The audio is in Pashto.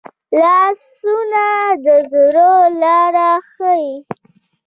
لاسونه د زړه لاره ښيي